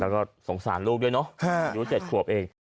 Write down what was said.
แล้วก็สงสารลูกด้วยเนาะอายุ๗ขวบเอง